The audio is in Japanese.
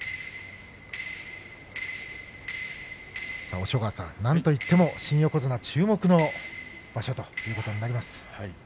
押尾川さん、何といっても新横綱注目の場所ということになりますね。